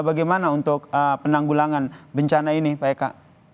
bagaimana untuk penanggulangan bencana ini pak eka